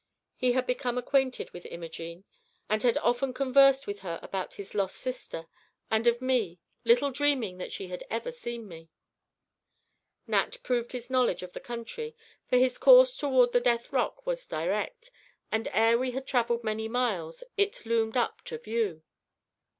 He had become acquainted with Imogene, and had often conversed with her about her lost sister, and of me, little dreaming that she had ever seen me. Nat proved his knowledge of the country, for his course toward the Death Rock was direct, and, ere we had traveled many miles it loomed up to view.